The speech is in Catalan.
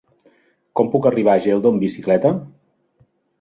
Com puc arribar a Geldo amb bicicleta?